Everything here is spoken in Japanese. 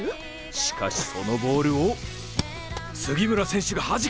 しかしそのボールを杉村選手がはじく！